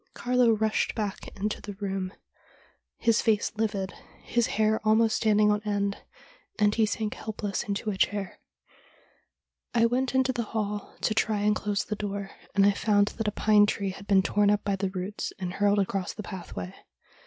Carlo rushed back into THE DREAM THAT CAME TRUE 227 the room, his face livid, his hair almost standing on end, and he sank helpless into a chair. ' I went into the hall to try and close the door, and I found that a pine tree had been torn up by the roots, and hurled across the pathway.